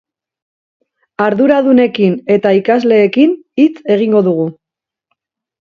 Arduradunekin eta ikasleekin hitz egingo dugu.